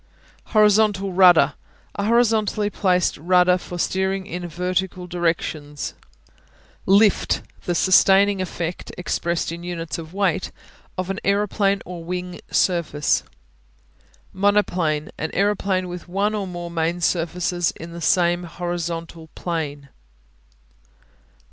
Horizontal Rudder A horizontally placed rudder for steering in vertical directions. Lift The sustaining effect, expressed in units of weight of an aeroplane or wing surface. Monoplane An aeroplane with one or more main surfaces in the same horizontal plane.